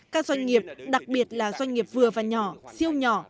các doanh nghiệp đặc biệt là doanh nghiệp vừa và nhỏ siêu nhỏ